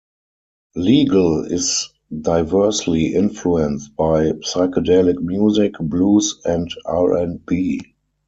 "Legal" is diversely influenced by psychedelic music, blues, and R and B.